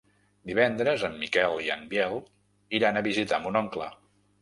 Divendres en Miquel i en Biel iran a visitar mon oncle.